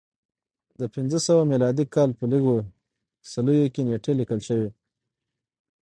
د پنځه سوه میلادي کال کې په لږو څلیو کې نېټې لیکل شوې